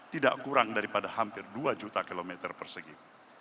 tidak kurang daripada hampir dua juta kilometer persegi